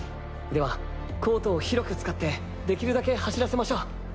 ではコートを広く使って出来るだけ走らせましょう。